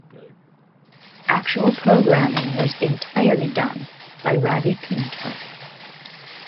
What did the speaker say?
Actual programming was entirely done by Ravipinto.